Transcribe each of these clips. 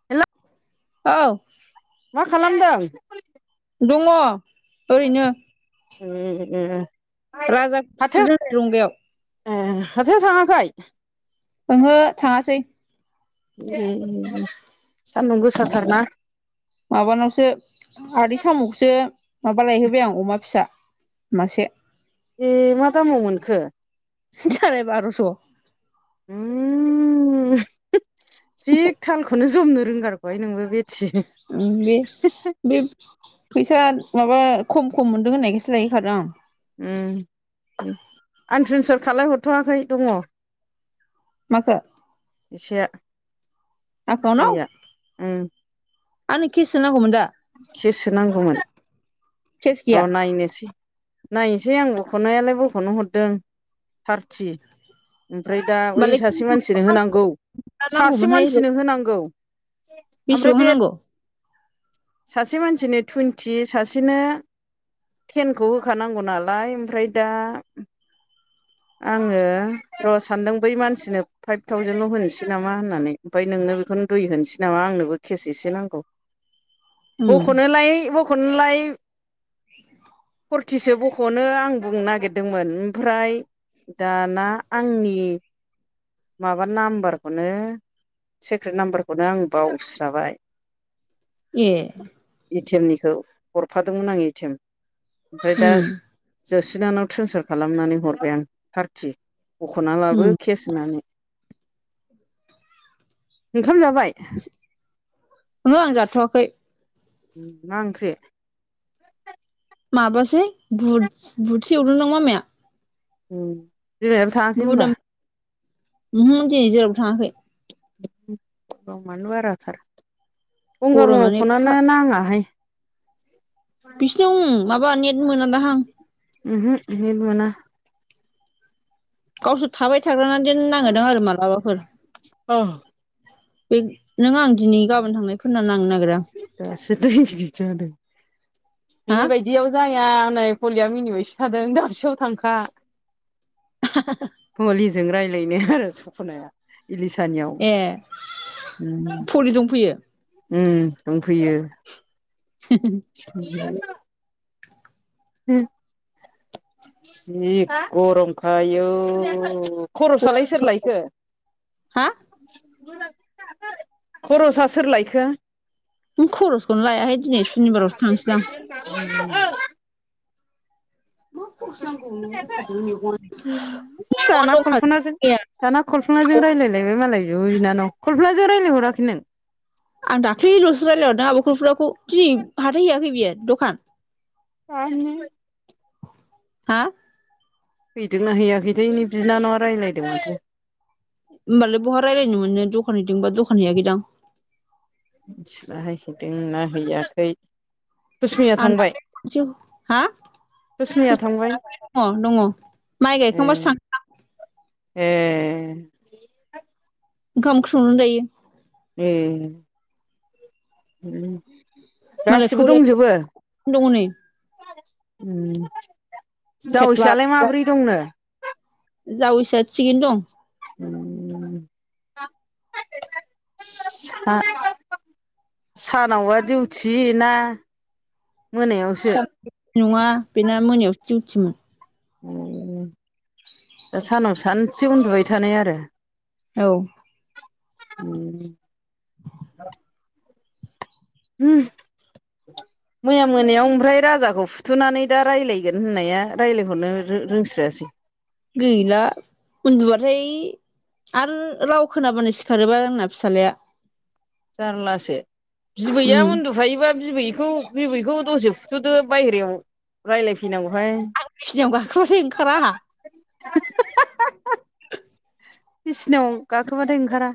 [inaudible] औ। मा खालामदों? दङ' ओरैनो ए राजा हाथायाव फुथुदों नै जंगायाव ए हाथथायाव थाङाखै? ओहो थाङासै। ए ए सान्दुं गोसाथारना। माबानावसो आदै साम'खौसो माबा लायहोबाय आं अमा फिसा मासे। एमा दामाव मोनखो? साराय बार'स'। उमम। जिख थालखौनो जमनो रोंगारगौहाय नोंबो बेती ओम बे फैसा माबा खम खम मोनदों होननायखायसो लायहोखादों आं। आं ट्रेन्सफार खालामलायहरथ'वाखै दंङ'। माखो? फैसाया एकाउन्टाव? उम आंनो केससो नांगौमोन दा। खेससो नांगौमोन केस र' गैया नायनोसै नायनोसै आं बख'नायालाय बख'नो हरदों थारथि ओमफ्राय दा ओइ होमबालाय सासे मानसिनो होनांगौ सासे नांगौमोनहाय मानसिनो होनांगौ ओमफ्राय बेसेबां बे होनांगौ? सासे मानसिनो टुइन्टि सासेनो टेनखौ होखानांगौ नालाय ओमफ्राय दा आङो र' सानदों बै मानसिनो फाइभ थावजेनल' होनोसै नामा होननानै। ओमफ्राय नोंनो बेखौनो दुइ होनोसै नामा आंनोबो केस एसे नांगौ। उम बख'नोलाय बख'नोलाय फरथिसो बख'नो आं बुंनो नागिरदोंमोन ओमफ्राय दाना आंनि माबा नाम्बारखौनो सेक्रेट नाम्बारखौनो आं बावस्राबाय ए एटिएम निखौ हरफादोंमोन आं एटिएम ओमफ्राय दा उम जसिनानाव ट्रेन्सफार खालामनानै हरबाय आं थारटि बख'ना लाबो उम केेस होनानै, ओंखाम जाबाय? ओंहो आं जाथ'वाखै मा ओंख्रे? माबासोहाय बुटसो एवदोंदां मामाया उम [unintelligible] बुदाम उमहो दिनै जेराव थाङाखै दामानो बाराथार गंगार मोननाव गरमानो एफा फनानो नाङाहाय बिसिनाव माबा नेट मोनादाहां उमहो नेट मोना गावसोर थाबाय थाग्रानादेन नाङोदां आरो माबलाबाफोर बै नों आं दिनै गाबोन थांनायफोरना नांनो नागिरा। [unintelligible] हा बिदियाव जाया नै हलिया मिनिबायसो थादों दाबसेयाव थांखा। [unintelligible] मुलिजों रायलायनो आरो सफ'नाया इलिसानियाव ओम सफलि दंफैयो उम दंफैयो [unintelligible] जि गरमखा आयौ खर'सालाय सोरलायखो हा खरसा सोर लायखो? [unintelligible] खरसखौनो लायाहाय दिनै सुनिबारावो थांसै आं [unintelligible] मेगन दाना दंखाजोबो कल्पनाजों मैया दाना कलफनाजों रायलायलायबाय मालाय बिब' बिनानाव कलफनाजों रायलायहराखै नों आं दाख्लैल'सो रायलायहरदों आब' खलफनाखौ दिनै हाथाय हैैयाखै बियो दखान [unintelligible] हा? हैदोंना हैैयाखै थाय नै बिनानावा रायलायदों माथो होमबालाय बहा रायलायनो मोननो दखान हैदोंबा दखान हैयाखै दां मिथिलाहाय हैदों ना हैयाखै। कुसमिया आं थांबाय दाख्लै खनसेयाव हा कुसमिया थांबाय [unintelligible] दङ दङ माइ ए गायखांबासो थां ए ओंखाम ओंख्रि संनानै जायो। ए मालाय गासिबो खौलायगासिनो दंजोबो दङ नै उम फेथ्ला जावैसोआलाय फेथ्ला माबोरै दंनो जावैसोआ थिगैनो दं। उम सा सानावबा डिउथि ना मोनायावसो सानाव दिउटि नङा बेना मोनायावसो दिउटिमोन। अ दा सानाव सानसे उन्दुबाय थानाय आरो औ उम [unintelligible] उम मैया मोनायाव ओमफ्राय राजाखौ फुथुनानै दा रायलायगोन होननाया रायलायहरनो रो-रोंस्रायासै गैला उन्दुबाथाय आरो राव खोनाबानो सिखारोबा आंना फिसालाया। जारलासो उम बिबैया उन्दुफायोबा बिबैखौ बिबैखौ दसे फुथ'दो बायहेरायाव रायलायफैनांगौहाय। आं बिसिनियाव गाखोबाथाय ओंखारा आहा [unintelligible] बिसिनायाव गाखोबाथाय ओंखारा।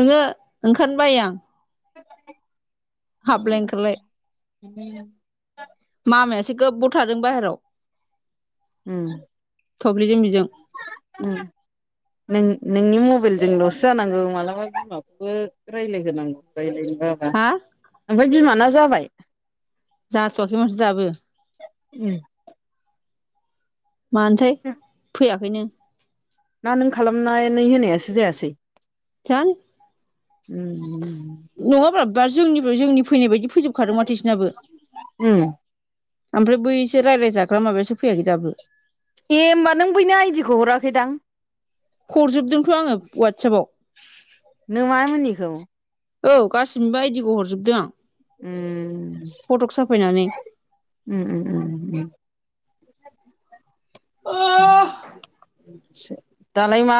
ओंङो ओंखारनो बायो आं। हाबलाय ओंखारलाय [inaudible] मामायासो गोबाव थादों बाहेराव। उम। थब्लिजों बिजों। उम नों नोंनि मबाइलजों लस जानांगौ मालाबा बिमाखौबो रायलायगोन आं रायलायनोबाबा हा ओमफाय बिमाना जाबाय जाथ'आखै माथो दाबो उम। मानोथाय फैयाखैनो। ना नों खालामनानै होनायासो जायासै। जानो उम नङाब्ला बा जोंनिफ्राय जोंनि फैनाय बायदि फैजोब। खादों माथो इसोरनाबो उम ओमफ्राय बैसो रायज्लायजाग्रा माबायासो फैयाखै दाबो। ए होनोमबा नों बैनि आइडिखौ हराखैदां? हरजोबदोंथ' आङो वाटसपाव। नों मा होनिखौ औ गासिनिबो आयदिखौ हरजोबदों आं। उम। फटक साफायनानै उम उम उम। उम बिदिसो। दालाय मा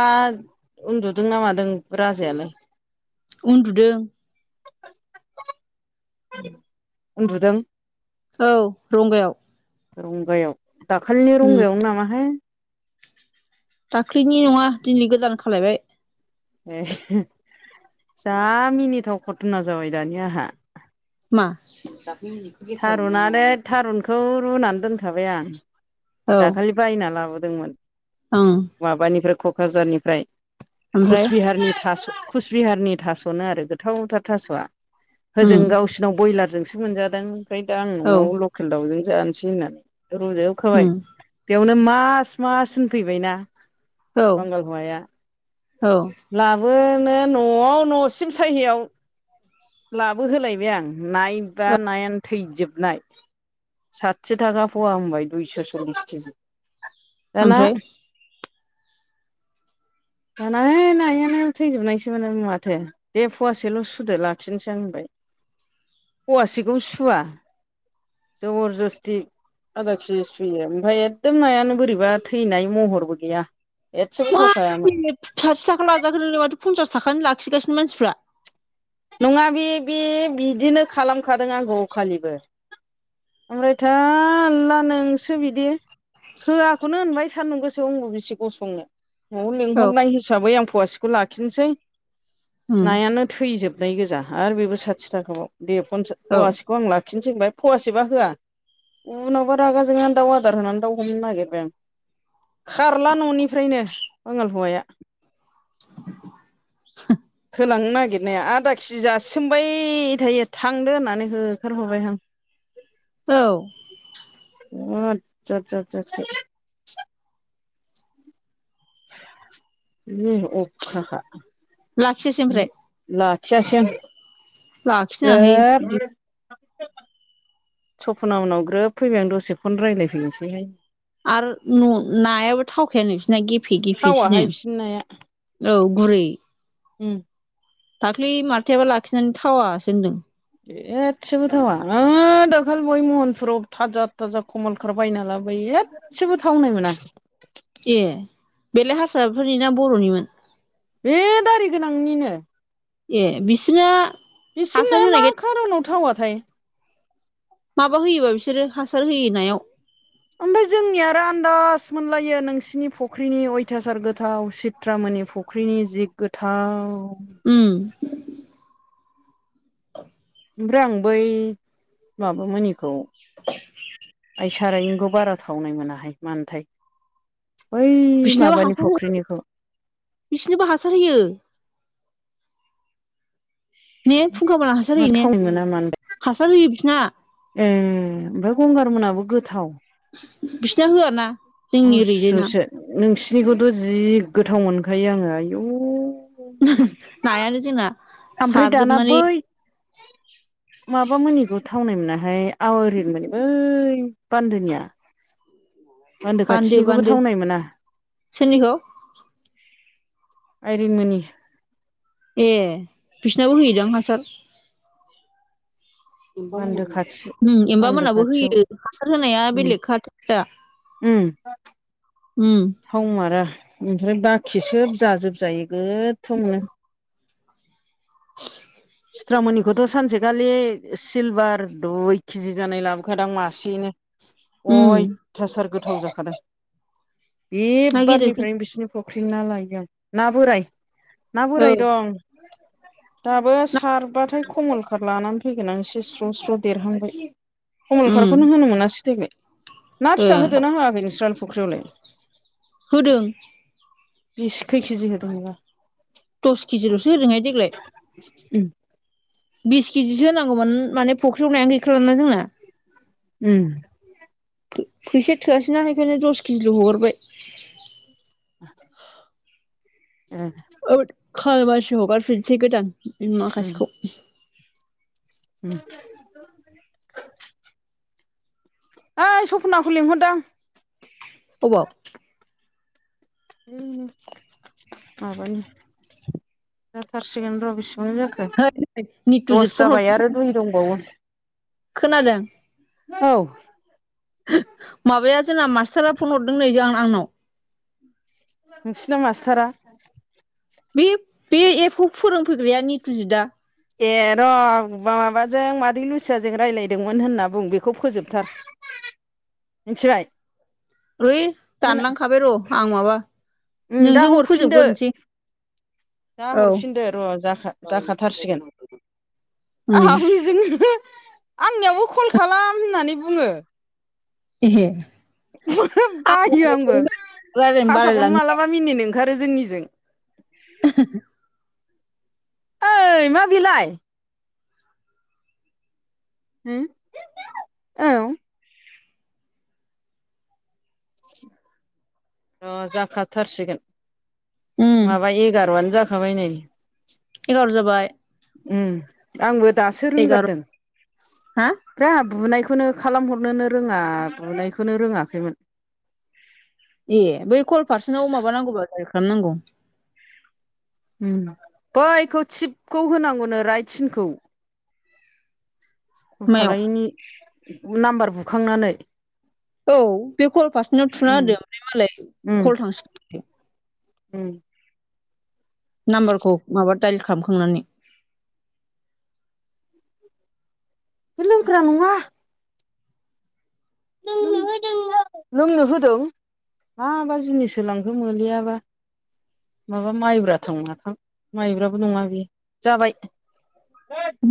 उन्दुदों ना मादों राजायालाय? उन्दुदों। उन्दुदों। औ रंगायाव। रंगायाव दाखालिनि उम रंगायावनो नामाहाय? दाख्लिनि नङा दिनै गोदान खालायबाय। ए जा मिनिथाव घथना जाबाय दानि आंहा। मा? थारुनानो थारुनखौ रुनानै दोनखाबाय आं। औ दाखालि बायना लाबोदोंमोन ओं माबानिफ्राय क'क्राझारनिफ्राय ओमफ्राय कुचबिहारनि थास' कुचबिहारनि थास'नो आरो गोथाव गोथाव थास'आ। उम होओजों गावसिनाव ब्रयलारजोंसो मोनजादों ओमफ्राय दा आं औ न'आव लकेल दावजों जानोसै होननानै उम रुजोबखाबाय बेयावनो मास मासन फैबायना औ बांगाल हौवाया। औ लाबोनो न'आव न'सिम सहियाव लाबोहोलायबाय आं। नायबा नायानो थैजोबनाय साथि थाखा फवा होनबाय दुइस' [inaudible] केजि दाना ओमफ्राय दाना नायानो थैजोबनायसोमोन माथो। दे फवासेल' सुदो लाखिनोसै आ होनबाय फवासेखौ सुवा जबर जस्थि आदा केजि सुयो ओमफ्राय एकदम नायानो बोरैबा थैनाय महरबो गैया। एसेबो मा थावखायामोन। साथि थाखा लाजागोन होनों माथ' पन्सास थाखानि लाखिगासिनो मानसिफ्रा। नङा बे बे बिदिनो खालामखादों आंखौ अखालिबो। ओमफ्राय थाला नोंसो बिदि होआखौनो होनबाय सान्दुं गोसो अंग बेसे गसंनो। न'आव औ लिंहरनाय हिसाबै आं फवासेखौ लाखिनोसै उम नायानो थैजोब है गोजा आरो बेबो साथि थाखाबाव दे फन्सा औ फवासेखौ आं लाखिनोसै होनबाय फवासेबो होआ। उनावबा रागा जोंनो दाउ आदार होनानै दा हमनो नागिरबाय आं। खारला न'निफ्रायनो बांगाल हौवाया होलांनो नागिरनाया आदा खि जासिमबाय थायो थांदो होननानै होखारहरबायहां औ बिराद जाद जाद जाद जाद उम अ अख्राखा लाखियासै लाखियासै आं। लाखिनाङा हाय ग्रोब बिदि। सपना उनाव ग्रोब फैबाय आं दसे फन रायज्लायफैनोसैहाय। आरो नायाबो थावखायानो बिसिरना गे फिगिफिसिनो थावाहाय बिसिनि नाया औ गुरै उम दाख्लै माथाययाबो लाखिनानै थावासो होनदों एसेबो थावा आरो दाखालै बावै महनफुराव थाजा थाजा कमलखार बायना लाबोयनो एसेबो थावनाय मोना दे बेलाय हारसाफोरनि ना बर'निमोन बे दारि गोनांनिनो ए बिसिना बिसोरना हासार मा होनायखाय खार'नाव थावाथाय माबा होयोबा बिसोरो हासार होयो नायाव ओमफ्राय जोंनिया आरो आदाज मोनलायो नोंसिनि फुख्रिनि अयथासार गोथाव सित बट्रामनि फुख्रिनि जिग गोथाव ओम ओमफ्राय आं बै माबामनिखौ [inaudible] आइ सारायंखौ बारा थावनाय मोनाहाय मानोथाय बै माबानि फुख्रिनिखौ बिसोरनोबो हासार होयो ने फुंखाबाला हासार मा होयो ने थावनाय मोना मानोथाय हासार होयो बिसोरना ए ओमफ्राय गंगार मोनाबो गोथाव बिसिना होयाना जोंनि ओरैजाय ना असुसो नोंसिनिखौथ' जि गोथाव मोनखायो आङो आयु नायानो जोंना ओमफ्राय दाना सारजोबनानै बै माबा मोननिखौ थावनाय मोनाहाय आवारिमोन बान्दोनिया बान्दो खाथिनिखौबो बान्दो थावनाय मोना सोरनिखौ आइरिमोननि ए बिसनाबो होयोदां हासार मोनो बान्दो खाथि एमबा बान्दो मोनाबो खाथियाव होयो हासार होनाया उम बेलेग खाथार दा उम उम थावमारा ओमफ्राय बाखि सोब जाजोबजायो गोथावनो [inaudible] सिथ्रामोनिखौथ' सानसेखालि सिलभार दुइ केजि जानाय लाबोखादों आं मासेयैनो उम अयथासार गोथाव जाखादों बे ना गिदिरफोर बारनिफ्रायनो बिसोर फख्रि ना लायगोन ना बोराय ना औ बोराय दं दाबो खारबाथाय कमल क लानानै फैगोन आं एसे स्र' स्र' देरहांबाय कमलकाखौ उम नों होनो मोनासै देग्लाय ना ओ फिसा होदोना होआाखै नोंस्रानो फुख्रियावल होदों बेसे खै केजि होदोंबा दस केजिल'सो होदोंहाय देग्लाय उम बिस केजिसो होनांगौमोन माने फुख्रियावनायानो गैखालाना जोंना। उम फैसा थोआसैना बेखायनो दस केजिल' हगरबाय। [inaudible] [inaudible] औ खाबारसो हगारफिनसै गोदान उम माखासेखौ [inaudible] ओइ सपनाखौ लिंहरदां अबाव उम माबानि जाथारसिगोन र' बेसेबां जाखो है नितुजित दस फन हर जाबाय आरो दुइ दंबावो खोनादों औ माबाया जोंना मास्टारा फन हरदों नै जों आंनाव। नोंसिना मास्टारा। बे बे एप खौ फोरोंफैग्राया नितुजिदआ ए र' माबाजों मादै लुसियाजों रायज्लायदोंमोन होनना बुं बेखौ फोजोबथार। मिथिबाय। है खोना दानलांखाबाय र' आं माबा उम दा नोंजों फोजोबग्रोनोसै। जा हरफिनदों र' जाखाथारसिगोन। उम आं जोंनो आंनियावबो कल खालाम होननानै बुङो। एहे आं बायो आंबो रायलायनो रायलायनो बासाखौनो बालायलाङो मालाबा- मिनिनो ओंखारो जोंनिजों। [inaudible] ओइ मा बिलाइ? होम औ र' जाखाथारसिगोन उम माबा एगार'आनो जाखाबाय नै। एगार जाबाय। उम आंबो दासो एगार' रोंगारदों। हा ब्रा बुनायखौनो खालामहरनोनो रोङा बुनायखौनो रोङाखैमोन। ए बै कल फारसेनाव माबा नांगौबा। खालामनांगौ। उम बैखौ थिबखौ होनांगौनो राइट सिनखौ। कल मायाव खालाय नानै नाम्बार बुखांनानै। औ बे कल फारसेनाव थुना उम होदो ओमफ्राय मालाय उम कल थांसिगोन। उम नाम्बारखौ माबा दाइल खालामखांनानै। बे लोंग्रा नङा। लोंनो होदों नों, लोंनो होदों। हा मा जिनिस होलांखो मोनलियाबा? माबा माइब्रा थां माथां माइब्राबो नङा बेयो जाबाय। [inaudible]